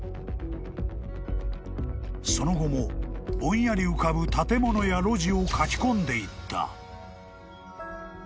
［その後もぼんやり浮かぶ建物や路地を描き込んでいった］